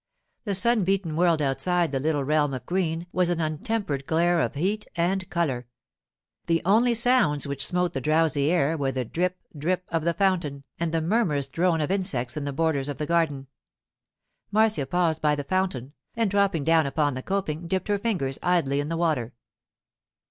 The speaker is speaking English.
The sun beaten world outside the little realm of green was an untempered glare of heat and colour. The only sounds which smote the drowsy air were the drip, drip of the fountain and the murmurous drone of insects in the borders of the garden. Marcia paused by the fountain, and dropping down upon the coping, dipped her fingers idly in the water.